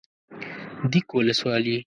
ديک ولسوالي